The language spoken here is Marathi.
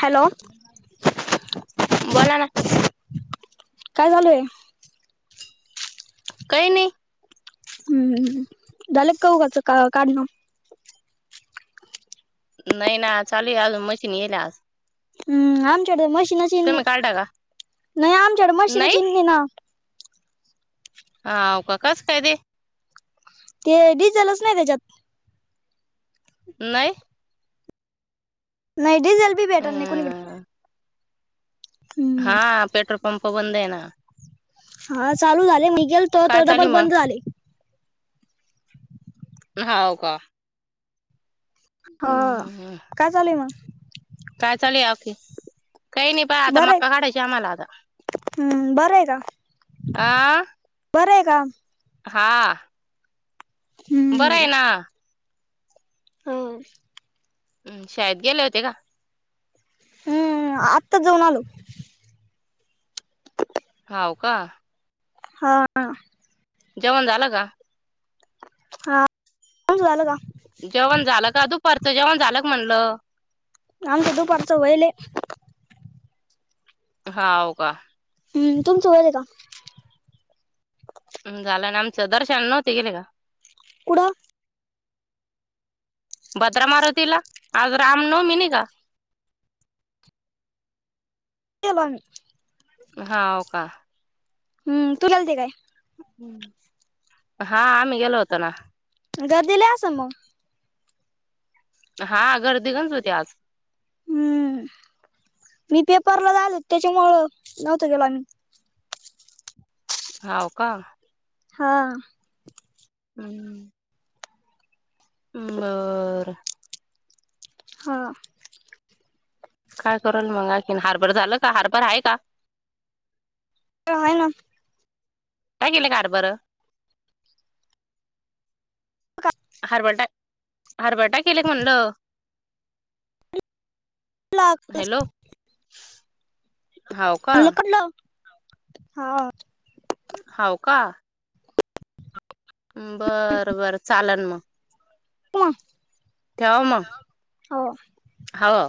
हॅलो! बोला ना काय झालय? काही नाही. हम्म झालं कऊकाचं का काढणं? नाही ना चालूये अजून मशीन यील आज. हम्म आमच्याडे मशीनच यीन नाही, तुम्ही काढता का नाही आमच्याकडे मशीनच नाही येनी ना. होव का कसं काय बे? ते डिझेलच नाही त्याच्यात. नाही नाही डिझेल बी भेटत नाही कुणीकडे. अं हम्म हा पेट्रोल पंप बंद येना. हा चालू झाले मी गेल काय चालूय मग? होव का हं हम्म काय चालूय मग? काय चालुय आक्की? काही नाही पहा आता बरं आहे मक्का काढायची आम्हाला आता. हम्म, बरंयका? आं बरं येका? हा बरंय ना. हम्म. हम्म शाळेत गेले होते का? हम्म आत्ताचं जाऊन आलो. हाव का? हा. जेवण झालं का? हा तुमच झालं का? जेवण झालं का? दुपारचं जेवण झालं का म्हणलं. आमचं दुपारचं व्हायले. हाव का? हम्म तुमचं व्हायले का? झालं ना आमचं. दर्शनाला नव्हते गेले का? कुठं? भद्रा मारुतीला आज राम नवमी नाही का? [unintelligible] हाव का? हम्म तू गेलते काय? हा आम्ही गेलो होतो ना. गर्दी लई आसल मग? हा गर्दी गच्च होती आज. हम्म मी पेपरला जायलो त्याच्यामुळं नव्हतं गेलो आम्ही. हाव का? हा. हम्म. बरं. हा. काय करल मग आणखीनं हरभरा झालं का हरभरा आहे का? आहे ना. काय केेलं हारभारं? हरभर टा हरभरा टाकेले का म्हणलं? ला हॅलो. हाव का? [unintelligible] हा. हाव का? बर बरं चालन मग. [unintelligible] ठेवा मग हा. हाव.